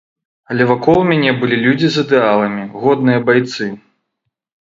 Але вакол мяне былі людзі з ідэаламі, годныя байцы.